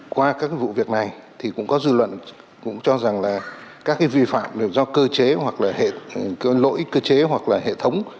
qua các vụ việc này thì cũng có dư luận cũng cho rằng là các cái vi phạm đều do cơ chế hoặc là hệ lỗi cơ chế hoặc là hệ thống